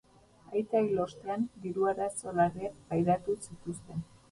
Aita hil ostean, diru arazo larriak pairatu zituzten.